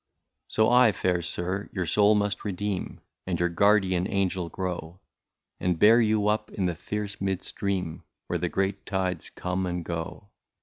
" So I, fair sir, your soul must redeem, And your guardian angel grow, And bear you up in the fierce mid stream. Where the great tides come and go.